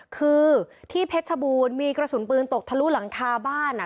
คือที่เพชรชบูรณ์มีกระสุนปืนตกทะลุหลังคาบ้านอ่ะ